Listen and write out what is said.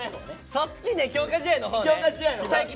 そっちね強化試合のほうね。